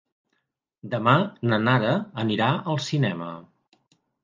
Demà na Nara anirà al cinema.